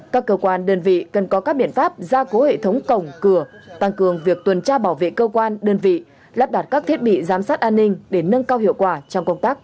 các cơ quan đơn vị cần có các biện pháp gia cố hệ thống cổng cửa tăng cường việc tuần tra bảo vệ cơ quan đơn vị lắp đặt các thiết bị giám sát an ninh để nâng cao hiệu quả trong công tác